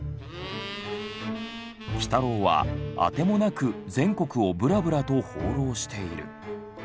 鬼太郎はあてもなく全国をぶらぶらと放浪している。